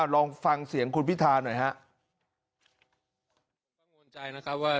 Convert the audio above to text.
ลองฟังเสียงคุณพิธาหน่อยครับ